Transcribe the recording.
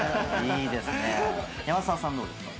山澤さんどうですか？